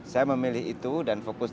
saya memilih itu dan fokus